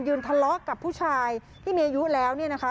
ทะเลาะกับผู้ชายที่มีอายุแล้วเนี่ยนะคะ